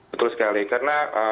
betul sekali karena